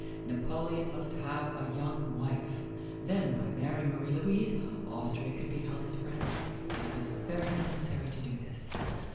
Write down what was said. Napoleon must have a young wife. Then by marrying Marie Louise, Austria could be held as friend: it was very necessary to do this.